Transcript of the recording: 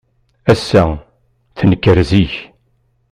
Ass-a, tenker zik.